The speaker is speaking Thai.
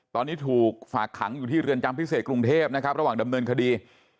ตอนนี้ถูกฝากขังอยู่ที่เรือนจำพิเศษกรุงเทพนะครับระหว่างดำเนินคดี